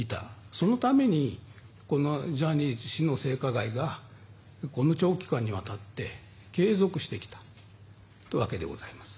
そのためにこのジャニー氏の性加害が長期間にわたって継続してきたわけでございます。